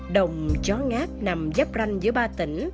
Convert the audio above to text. đồng chó ngáp nằm dắp ranh giữa ba tỉnh